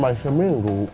dua nya cuma seminggu